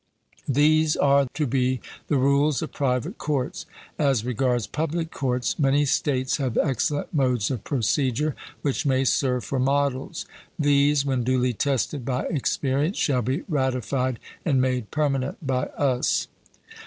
These are to be the rules of private courts. As regards public courts, many states have excellent modes of procedure which may serve for models; these, when duly tested by experience, should be ratified and made permanent by us.